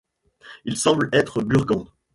Il semble être burgonde.